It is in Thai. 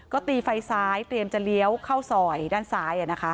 ก็ตีไฟซ้ายเตรียมจะเลี้ยวเข้าซอยด้านซ้าย